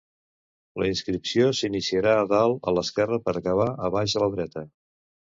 La inscripció s'iniciaria a dalt a l'esquerra per acabar a baix a la dreta.